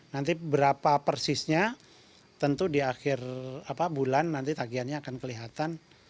nanti berapa persisnya tentu di akhir bulan nanti tagihannya akan kelihatan